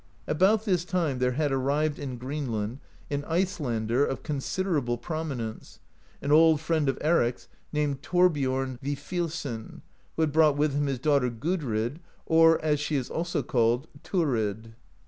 About this time there had arrived in Greenland an Ice lander of considerable prominence, an old friend of Eric's, named Thorbiom Vifilsson, who had brought with him his daughter, Gudrid, or, as she is also called, Thurid.